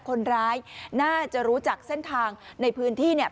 คนร้ายน่าจะรู้จักเส้นทางในพื้นที่เนี่ย